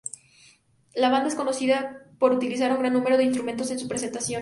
La banda es conocida por utilizar un gran número de instrumentos en sus presentaciones.